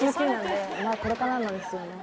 これからなんですよね。